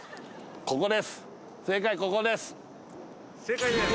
ここです。